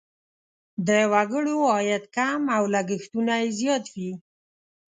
د وګړو عاید کم او لګښتونه یې زیات وي.